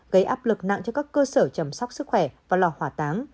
gây áp lực nặng cho các cơ sở chăm sóc sức khỏe và lò hỏa táng